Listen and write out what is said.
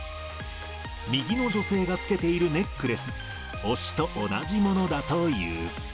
右の女性がつけているネックレス、推しと同じものだという。